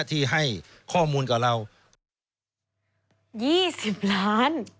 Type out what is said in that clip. ที่ให้ข้อมูลกับเรายี่สิบล้าน